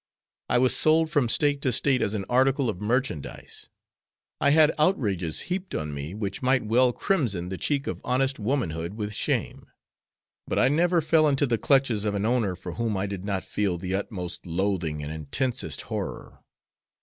I was sold from State to State as an article of merchandise. I had outrages heaped on me which might well crimson the cheek of honest womanhood with shame, but I never fell into the clutches of an owner for whom I did not feel the utmost loathing and intensest horror.